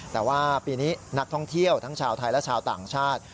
แต่ว่าปีนี้นักท่องเที่ยวทั้งชาวไทยและชาวต่างชาติ